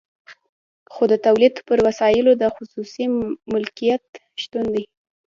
خو د تولید پر وسایلو د خصوصي مالکیت شتون دی